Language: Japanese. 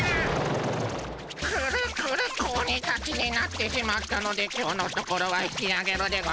くるくる子鬼たちになってしまったので今日のところは引きあげるでゴンス。